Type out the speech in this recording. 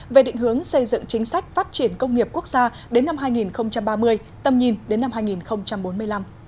về định hướng xây dựng chính sách phát triển công nghiệp quốc gia đến năm hai nghìn ba mươi tầm nhìn đến năm hai nghìn bốn mươi năm